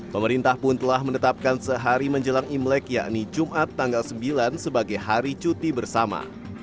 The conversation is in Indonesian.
pemerintah pun telah menetapkan sehari menjelang imlek yakni jumat tanggal sembilan sebagai hari cuti bersama